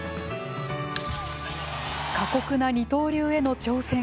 過酷な二刀流への挑戦。